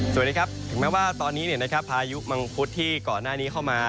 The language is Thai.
สวัสดีครับถึงแม้ว่าตอนนี้พายุมังคุดที่ก่อนหน้านี้เข้ามา